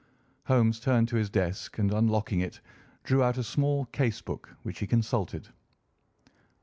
Holmes turned to his desk and, unlocking it, drew out a small case book, which he consulted.